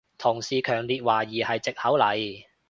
同事強烈懷疑係藉口嚟